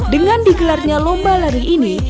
dengan digelarnya lomba lari ini